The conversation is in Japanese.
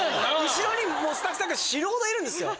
後ろにスタッフさんが死ぬほどいるんですよ。